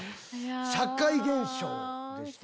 社会現象でした。